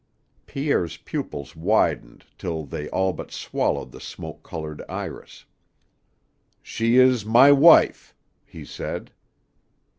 Pierre's pupils widened till they all but swallowed the smoke colored iris. "She is my wife," he said.